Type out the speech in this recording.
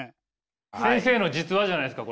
先生の実話じゃないですか？